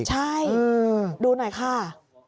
ใช่ดูหน่อยค่ะ